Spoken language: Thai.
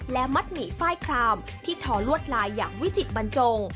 และมัดหมี่ฝ้ายคลามที่ทอลวดลายอย่างวิจิตบรรจง